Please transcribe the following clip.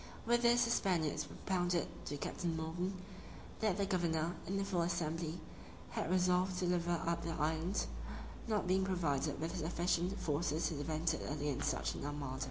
With this the Spaniards propounded to Captain Morgan, that the governor, in a full assembly, had resolved to deliver up the island, not being provided with sufficient forces to defend it against such an armada.